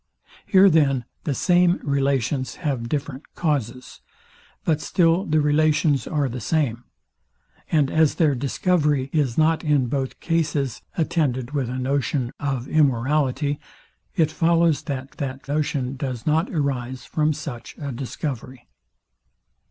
Here then the same relations have different causes; but still the relations are the same: And as their discovery is not in both cases attended with a notion of immorality, it follows, that that notion does not arise from such a discovery.